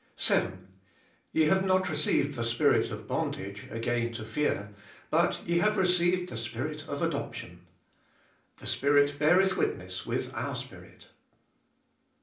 7. " Ye have not received the spirit of bondage again to fear, but ye have received the Spirit of adoption," The Spirit beareth witness with our spirit.